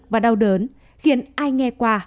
và đau đớn khiến ai nghe qua